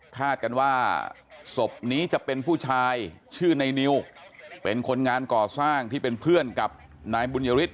กันว่าศพนี้จะเป็นผู้ชายชื่อในนิวเป็นคนงานก่อสร้างที่เป็นเพื่อนกับนายบุญยฤทธ